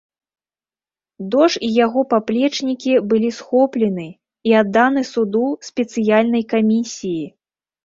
Дож і яго паплечнікі былі схоплены і адданы суду спецыяльнай камісіі.